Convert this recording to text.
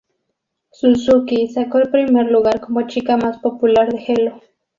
Suzuki saco el primer lugar como chica más popular de Hello!